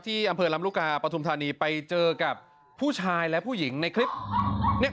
อำเภอลำลูกกาปฐุมธานีไปเจอกับผู้ชายและผู้หญิงในคลิป